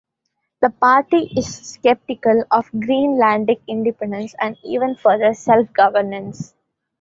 The party is skeptical of Greenlandic independence and even further self-governance.